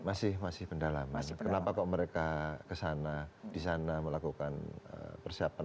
masih masih pendalaman kenapa kok mereka kesana di sana melakukan persiapan